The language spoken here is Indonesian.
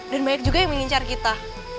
dan banyak juga yang ingin cari kita